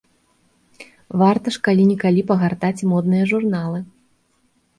Варта ж калі-некалі пагартаць і модныя журналы.